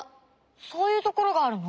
そういうところがあるの？